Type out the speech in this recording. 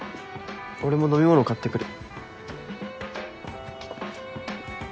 俺も飲み物買ってくる。